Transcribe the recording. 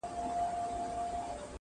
ستا د حُسن د الهام جام یې څښلی.